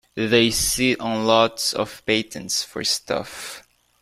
They sit on lots of patents for stuff.